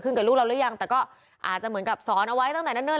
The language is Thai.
กับลูกเราหรือยังแต่ก็อาจจะเหมือนกับสอนเอาไว้ตั้งแต่เนิ่น